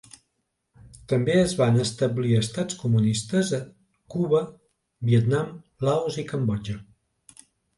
També es van establir estats comunistes a Cuba, Vietnam, Laos i Cambodja.